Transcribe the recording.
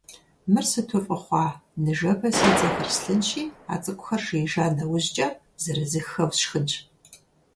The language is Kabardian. Мыр сыту фӀы хъуа! Ныжэбэ си дзэхэр слъынщи, а цӀыкӀухэр жеижа нэужькӀэ, зэрызыххэу сшхынщ.